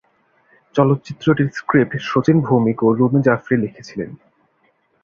চলচ্চিত্রটির স্ক্রিপ্ট শচীন ভৌমিক এবং রুমি জাফরি লিখেছিলেন।